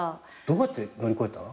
どうやって乗り越えた？